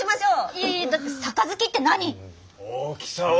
いやいやだって杯って何⁉大きさは？